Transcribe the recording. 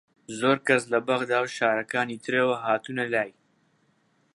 زۆر کەس لە بەغدا و شارەکانی ترەوە هاتوونە لای